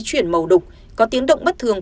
chuyển màu đục có tiếng động bất thường